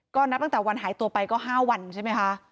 ก็นับตั้งแต่วันหายตัวไปก็๕วันใช่ไหมคะ